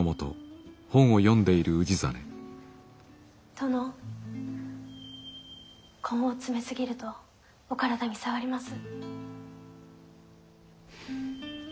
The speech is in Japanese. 殿根を詰め過ぎるとお体に障ります。